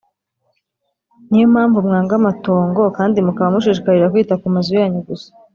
Ni yo mpamvu mwanga amatongokandi mukaba mushishikarira kwita ku mazu yanyu gusa